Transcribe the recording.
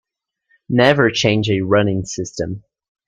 Never change a running system.